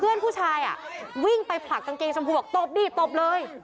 เพื่อนผู้ชายอ่ะวิ่งไปผลักกางเกงชมพูบอกตบดิตบเลย